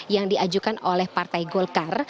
yang diajukan oleh partai golkar